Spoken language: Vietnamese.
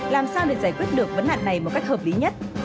làm sao để giải quyết được vấn nạn này một cách hợp lý nhất